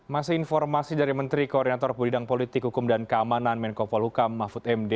masih informasi dari menteri koordinator budidang politik hukum dan keamanan menkopol hukam mahfud md